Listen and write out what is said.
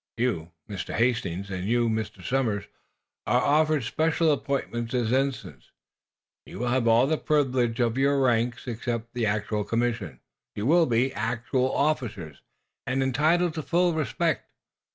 You, Mr. Hastings, and you, Mr. Somers, are offered special appointments as ensigns. You will all have the privileges of your ranks except the actual commissions. Yet you will be actual officers, and entitled to full respect.